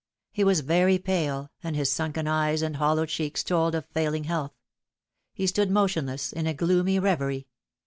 He was very pale, and his sunken eyes and hollow cheeks told of failing health. He stood motionless, in a gloomy reverie.